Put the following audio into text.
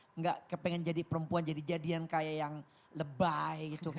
enggak kepengen jadi perempuan jadi jadian kayak yang lebay gitu